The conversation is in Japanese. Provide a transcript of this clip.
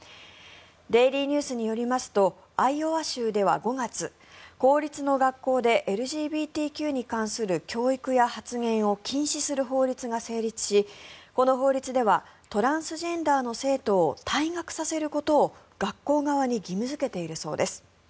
デイリーニュースによりますとアイオワ州では５月公立の学校でＬＧＢＴＱに関する教育や発言を禁止する法律が成立しこの法律ではトランスジェンダーの生徒を退学させることを学校側に義務付けているそうです。